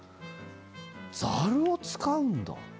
ざるを使うんだ。